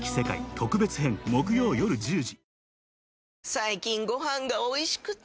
最近ご飯がおいしくて！